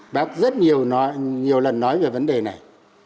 bác rất nhiều lần nói về vấn đề này